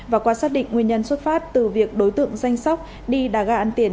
và qua xác định nguyên nhân xuất phát từ việc đối tượng danh sóc đi đà ga ăn tiền